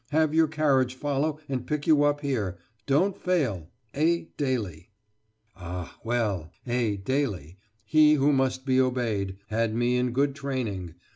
Have your carriage follow and pick you up here. Don't fail! A. DALY." Ah, well! A. Daly he who must be obeyed had me in good training.